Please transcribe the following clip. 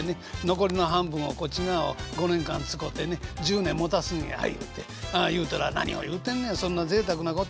残りの半分をこっち側を５年間使てね１０年もたすんや言うて言うたら「何を言うてんねんそんなぜいたくなこと。